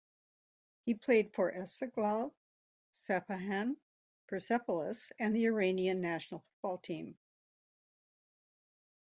He played for Esteghlal, Sepahan, Persepolis and the Iranian national football team.